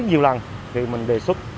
nhiều lần thì mình đề xuất